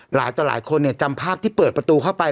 หลายต่อหลายคนเนี่ยจำภาพที่เปิดประตูเข้าไป